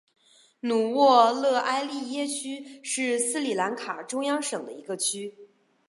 努沃勒埃利耶区是斯里兰卡中央省的一个区。